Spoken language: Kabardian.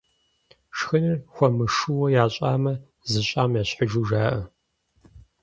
Шхыныр хуэмышууэ ящӀамэ, зыщӀам ещхьыжу жаӀэ.